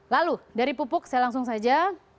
lalu dari pupuk saya langsung saja